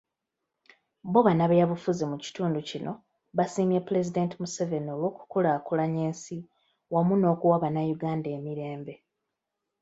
Bo bannabyabufuzi mu kitundu kino baasiimye Pulezidenti Museveni olw'okukulaakulanya ensi wamu n'okuwa bannayuganda emirembe.